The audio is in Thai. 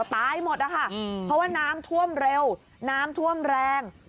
ตายหมดนะคะเพราะว่าน้ำท่วมเร็วน้ำท่วมแรง